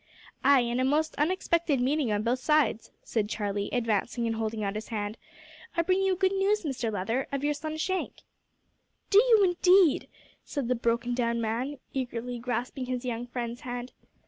"Ay, and a most unexpected meeting on both sides," said Charlie, advancing and holding out his hand. "I bring you good news, Mr Leather, of your son Shank." "Do you indeed?" said the broken down man, eagerly grasping his young friend's hand.